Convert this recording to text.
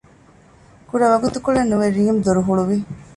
ކުޑަ ވަގުތުކޮޅެއް ނުވެ ރީމް ދޮރު ހުޅުވި